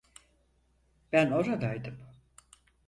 Ben oradaydım.